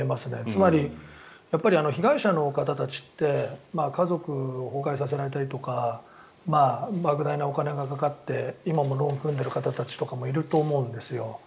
つまり、被害者の方たちって家族を崩壊させられたりとかばく大なお金がかかって今もローンを組んでる方たちとかもいると思うんですよ。